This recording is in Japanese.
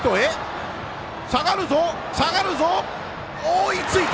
追いついた！